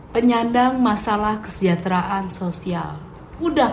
penyandang masalah disabilitas itu masih dianggap pmks kan masuk dalam daftar pmks disabilitas loh